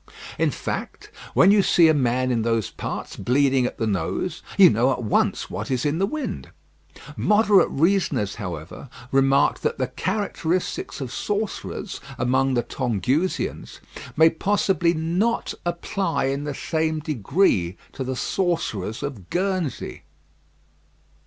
In fact, when you see a man in those parts bleeding at the nose, you know at once what is in the wind. Moderate reasoners, however, remarked that the characteristics of sorcerers among the Tongusians may possibly not apply in the same degree to the sorcerers of Guernsey.